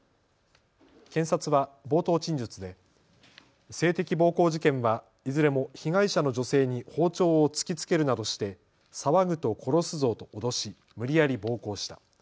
検察は冒頭陳述で性的暴行事件はいずれも被害者の女性に包丁を突きつけるなどして騒ぐと殺すぞと脅し無理やり暴行した。